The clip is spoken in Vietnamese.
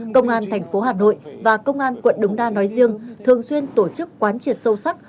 công an thành phố hà nội và công an quận đống đa nói riêng thường xuyên tổ chức quán triệt sâu sắc